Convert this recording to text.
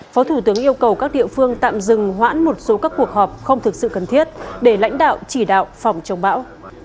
phó thủ tướng yêu cầu các địa phương tạm dừng hoãn một số các cuộc họp không thực sự cần thiết để lãnh đạo chỉ đạo phòng chống bão